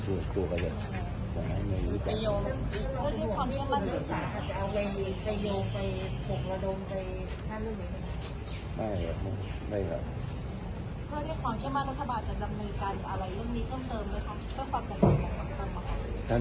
คือตอนเนี้ยคนเอาเรื่องเนี้ยมาโยงกับรัฐบาลโอ้โหรัฐบาล